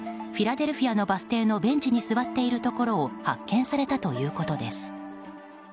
フィラデルフィアのバス停のベンチに座っているところを発見されたということです。